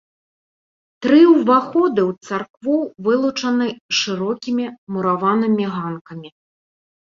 Тры ўваходы ў царкву вылучаны шырокімі мураванымі ганкамі.